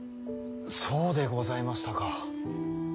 そうでございましたか。